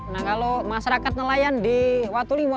nah kalau masyarakat nelayan di watu limo